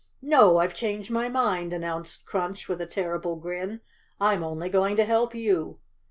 "No, I've changed my mind," announced Crunch with a terrible grin, " I'm only going to help you."